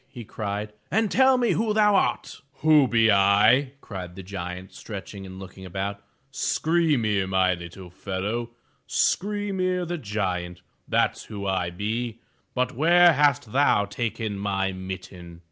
'* he cried, "and tell me who thou art/' ''Who be I?'' cried the giant, stretching and looking about. "Skry'mir, my little fellow, — Skry'mir, the giant, — that's who I be. But where hast thou taken my mitten?"